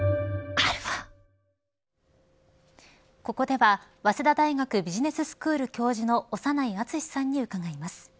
ここでは早稲田大学ビジネススクール教授の長内厚さんに伺います。